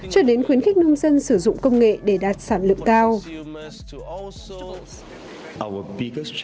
cho đến khuyến khích nông dân sử dụng công nghệ để đạt sản lượng cao